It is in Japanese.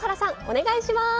お願いします。